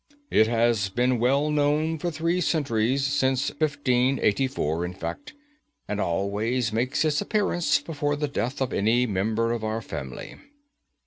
It has been well known for three centuries, since 1584 in fact, and always makes its appearance before the death of any member of our family."